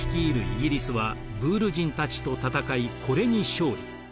イギリスはブール人たちと戦いこれに勝利。